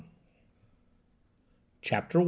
CHAPTER I.